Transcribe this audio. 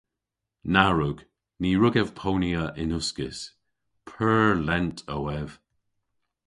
Na wrug Ny wrug ev ponya yn uskis. Pur lent o ev.